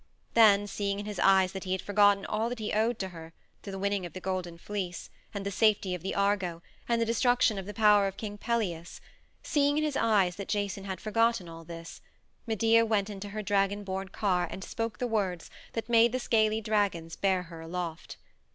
Then, seeing in his eyes that he had forgotten all that he owed to her the winning of the Golden Fleece, and the safety of Argo, and the destruction of the power of King Pelias seeing in his eyes that Jason had forgotten all this, Medea went into her dragon borne car and spoke the words that made the scaly dragons bear her aloft.